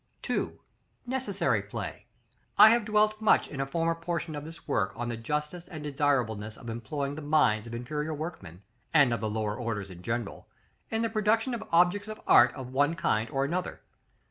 § XXXII. 2. Necessary play. I have dwelt much in a former portion of this work, on the justice and desirableness of employing the minds of inferior workmen, and of the lower orders in general, in the production of objects of art of one kind or another.